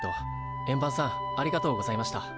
円盤さんありがとうございました。